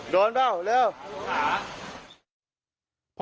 โดนเปล่าเร็วอ่า